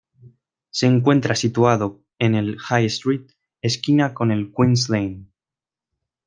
Se encuentra situado en el High Street, esquina con el Queen's Lane.